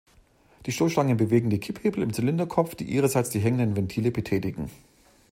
Die Stoßstangen bewegen die Kipphebel im Zylinderkopf, die ihrerseits die hängenden Ventile betätigen.